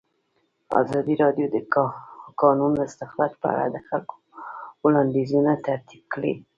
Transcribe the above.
ازادي راډیو د د کانونو استخراج په اړه د خلکو وړاندیزونه ترتیب کړي.